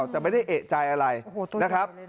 แต่ไม่ได้เอกใจอะไรนะครับ